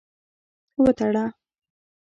وتړه.